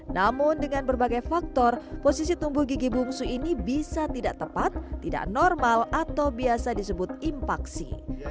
namun dengan berbagai faktor posisi tumbuh gigi bungsu ini bisa tidak tepat tidak normal atau biasa disebut impaksi